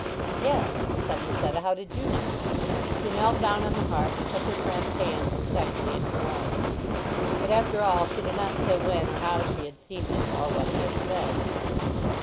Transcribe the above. "Yes," said Lucetta. "How did you know?" She knelt down on the hearth and took her friend's hands excitedly in her own. But after all she did not say when or how she had seen him or what he had said.